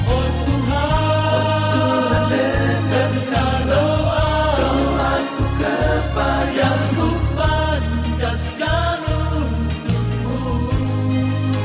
oh tuhan dengarkan doaku kepadamu panjangkan untungmu